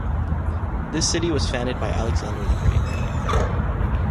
This city was founded by Alexander The Great.